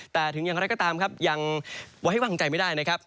แต่ถึงอย่างไรก็ตามครับยังไว้วางใจไม่ได้นะครับ